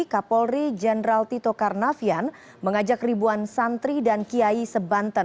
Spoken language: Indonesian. kapolri jenderal tito karnavian mengajak ribuan santri dan kiai sebanten